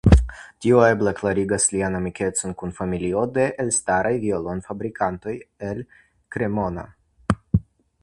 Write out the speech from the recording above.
Tio eble klarigas lian amikecon kun familio de elstaraj violonfabrikantoj el Cremona.